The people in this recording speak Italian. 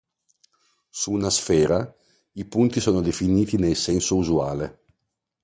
Su una sfera, i punti sono definiti nel senso usuale.